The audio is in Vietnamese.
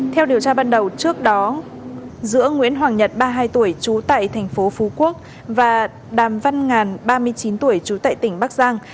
theo điều tra ban đầu trước đó giữa nguyễn hoàng nhật ba mươi hai tuổi trú tại thành phố phú quốc và đàm văn ngàn ba mươi chín tuổi trú tại tỉnh bắc giang